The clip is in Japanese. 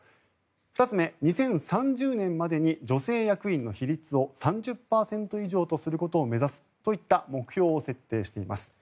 ２つ目、２０３０年までに女性役員の比率を３０％以上にすることを目指すといった目標を設定しています。